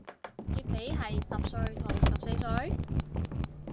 劫匪係十歲同十四歲？